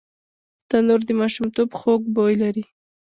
تنور د ماشومتوب خوږ بوی لري